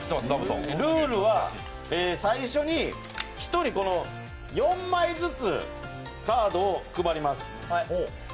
ルールは最初に１人、４枚ずつカードを配ります。